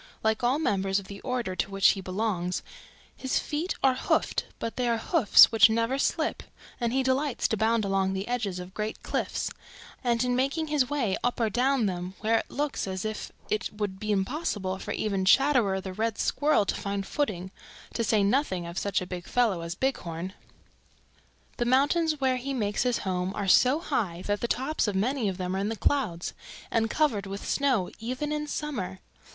Like all members of the order to which he belongs his feet are hoofed, but they are hoofs which never slip, and he delights to bound along the edges of great cliffs and in making his way up or down them where it looks as if it would be impossible for even Chatterer the Red Squirrel to find footing, to say nothing of such a big fellow as Bighorn. "The mountains where he makes his home are so high that the tops of many of them are in the clouds and covered with snow even in summer.